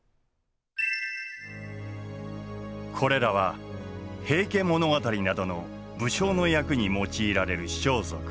これらは「平家物語」などの武将の役に用いられる装束。